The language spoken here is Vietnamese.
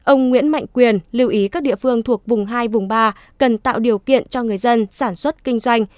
ông nguyễn mạnh quyền lưu ý các địa phương thuộc vùng hai vùng ba cần tạo điều kiện cho người dân sản xuất kinh doanh